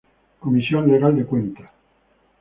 Comisión legal de cuentas.